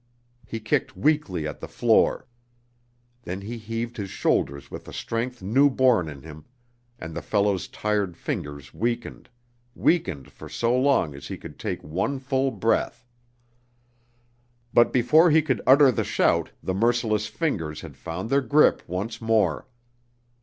He kicked weakly at the floor. Then he heaved his shoulders with a strength new born in him, and the fellow's tired fingers weakened, weakened for so long as he could take one full breath. But before he could utter the shout the merciless fingers had found their grip once more.